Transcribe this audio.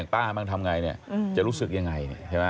ตามันทำไงจะรู้สึกยังไง